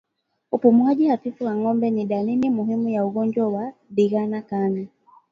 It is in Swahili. Upumuaji hafifu wa ngombe ni dalili muhimu ya ugonjwa wa ndigana kali